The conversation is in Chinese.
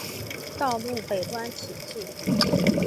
道路北端起自。